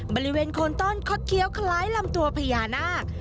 บริเวณโคนต้อนคดเคี้ยวคล้ายลำตัวพญานาค